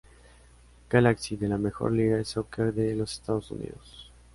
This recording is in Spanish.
Galaxy de la Major League Soccer de los Estados Unidos.